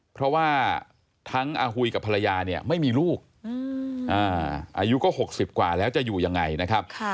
เพราะว่าทั้งอาหุยกับภรรยาเนี่ยไม่มีลูกอายุก็๖๐กว่าแล้วจะอยู่ยังไงนะครับ